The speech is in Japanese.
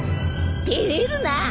照れるな。